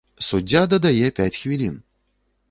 Суддзя дадае пяць хвілін.